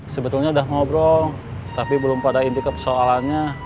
sebetulnya sudah ngobrol tapi belum pada inti ke persoalannya